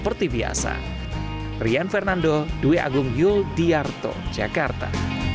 rian fernando dwi agung yul diarto jakarta